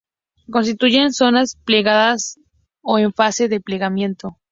Constituyen zonas plegadas o en fase de plegamiento.